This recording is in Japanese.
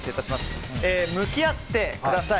向き合ってください。